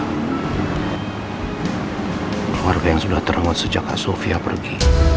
keluarga yang sudah ternut sejak kak sofia pergi